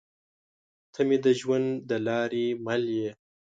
تۀ مې د ژوند د لارې مل يې